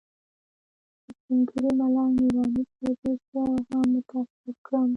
د سپین ږیري ملنګ نوراني څېرې زه هم متاثره کړم.